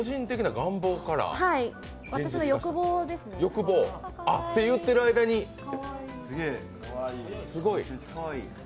私の欲望ですね。と言ってる間にすごい。